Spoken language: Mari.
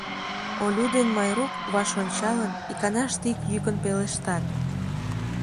Олю ден Майрук, ваш ончалын, иканаште ик йӱкын пелештат: